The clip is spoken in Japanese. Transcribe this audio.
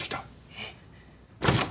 えっ？